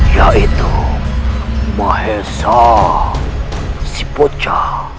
yaitu mahesa sipoca